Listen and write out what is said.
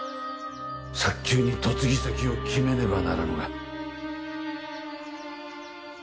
早急に嫁ぎ先を決めねばならぬが。